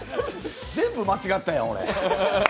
全部間違ったやん、俺。